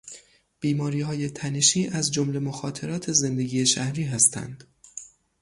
بیماریهای تنشی از جمله مخاطرات زندگی شهری هستند.